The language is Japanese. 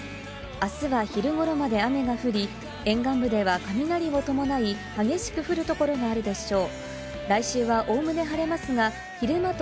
あすは昼頃まで雨が降り、沿岸部では雷を伴い激しく降るところがあるでしょう。